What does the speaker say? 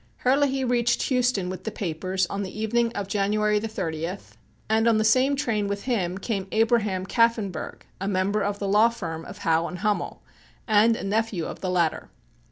Herlihy reached Houston with the papers on the evening of January 30th, and on the same train with him came Abraham Kaffenburgh, a member of the law firm of Howe and Hummel and a nephew of the latter.